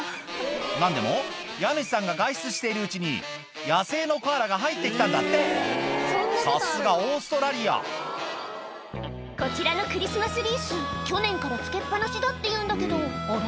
何でも家主さんが外出しているうちに野生のコアラが入って来たんだってさすがオーストラリアこちらのクリスマスリース去年から付けっ放しだっていうんだけどあれ？